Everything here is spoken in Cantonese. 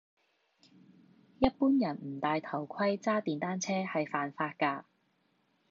一般人唔戴頭盔揸電單車係犯法㗎